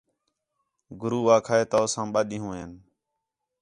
گُرو آکھا ہِے تُو ساں ٻَہہ ݙِین٘ہوں ہِے